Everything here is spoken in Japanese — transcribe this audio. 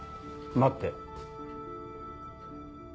待って。